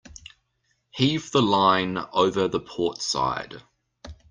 Heave the line over the port side.